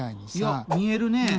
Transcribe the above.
いや見えるね。